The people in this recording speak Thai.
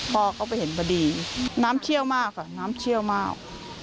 พอเขาไปเห็นพอดีน้ำเชี่ยวมากค่ะน้ำเชี่ยวมาก